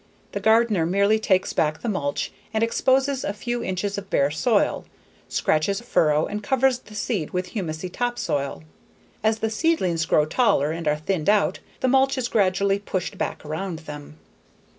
The gardener merely rakes back the mulch and exposes a few inches of bare soil, scratches a furrow, and covers the seed with humusy topsoil. As the seedlings grow taller and are thinned out, the mulch is gradually pushed back around them.